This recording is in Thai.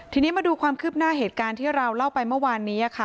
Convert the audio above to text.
ทีนี้มาดูความคืบหน้าเหตุการณ์ที่เราเล่าไปเมื่อวานนี้ค่ะ